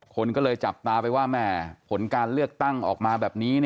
คนก็เลยจับตาไปว่าแหมผลการเลือกตั้งออกมาแบบนี้